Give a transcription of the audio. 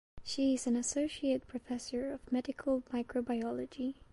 She is an associate professor of medical microbiology.